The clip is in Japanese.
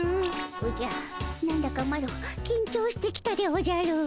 おじゃ何だかマロきんちょうしてきたでおじゃる。